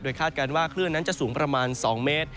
คาดการณ์ว่าคลื่นนั้นจะสูงประมาณ๒เมตร